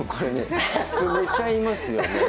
寝ちゃいますよね。